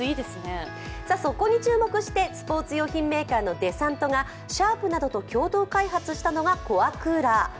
そこに注目してスポーツ用品メーカーのデサントがシャープなどと共同開発したのがコアクーラー。